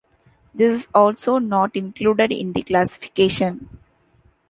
This is also not included in the classification.